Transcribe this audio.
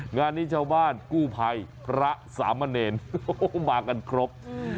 งานนี้ชาวบ้านกู้ภัยพระสามเณรมากันครบ